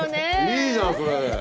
いいじゃんそれ。